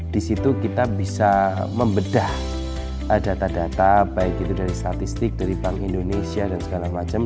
di situ kita bisa membedah data data baik itu dari statistik dari bank indonesia dan segala macam